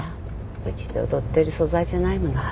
うちで踊ってる素材じゃないもの心人は。